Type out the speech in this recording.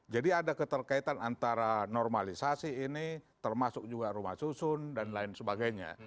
jadi ada keterkaitan antara normalisasi ini termasuk juga rumah susun dan lain sebagainya